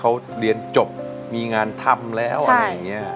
เขาเรียนจบมีงานทำแล้วอะไรอย่างนี้